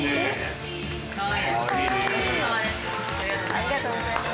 ありがとうございます。